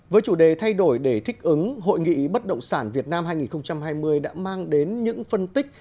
với chủ đề thay đổi để thích ứng hội nghị bất động sản việt nam hai nghìn hai mươi đã mang đến những phân tích